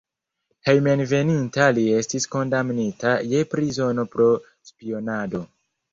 Hejmenveninta li estis kondamnita je prizono pro spionado.